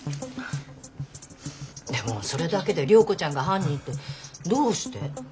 でもそれだけで涼子ちゃんが犯人ってどうして。